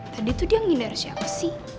tadi tuh dia yang ngindersi apa sih